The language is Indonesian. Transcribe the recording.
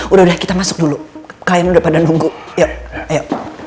udah udah kita masuk dulu kain udah pada nunggu yuk ayo